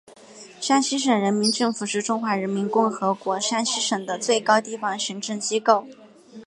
山西省人民政府是中华人民共和国山西省的最高地方行政机构。